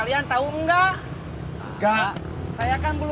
bu dia kalau perhatiin padah bapak terus dia beli